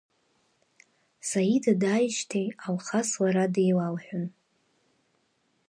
Саида дааижьҭеи, Алхас лара деилалҳәон.